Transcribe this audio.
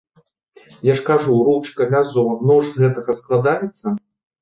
Я ж кажу, ручка, лязо, нож з гэтага складаецца?